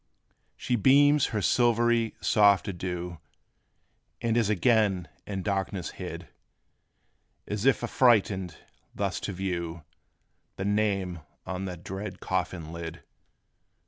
She beams her silvery, soft adieu. And is again in darkness hid; As if affrighted, thus to view The name on that dread coffin lid.